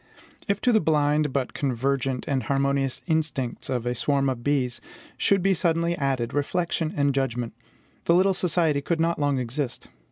If to the blind but convergent and harmonious instincts of a swarm of bees should be suddenly added reflection and judgment, the little society could not long exist.